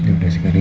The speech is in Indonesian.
ini udah segari